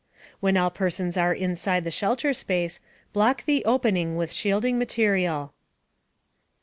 When all persons are inside the shelter space, block the opening with shielding material.